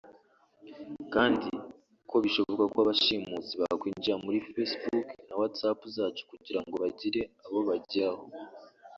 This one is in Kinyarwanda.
kandi ko bishoboka ko abashimusi bakwinjira muri facebook na Whatsapp zacu kugira ngo bagire abo bageraho